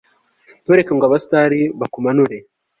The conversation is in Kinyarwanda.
ntureke ngo abastari bakumanure